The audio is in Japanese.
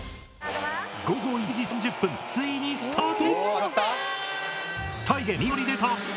午後１時３０分ついにスタート！